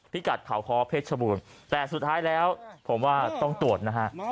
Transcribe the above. กัดเขาคอเพชรชบูรณ์แต่สุดท้ายแล้วผมว่าต้องตรวจนะฮะ